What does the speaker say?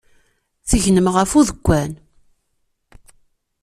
Tegnem ɣef udekkan.